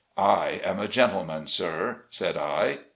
"I am a gentleman, sir," said I.